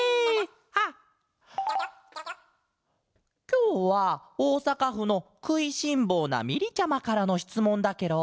きょうはおおさかふの「くいしんぼうなみり」ちゃまからのしつもんだケロ！